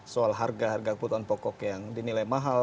soal harga harga kebutuhan pokok yang dinilai mahal